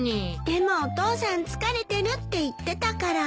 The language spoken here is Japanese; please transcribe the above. でもお父さん疲れてるって言ってたから。